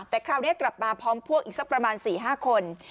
แต่คราวนี้กลับมาพร้อมพวกอีกสักประมาณ๔๕คน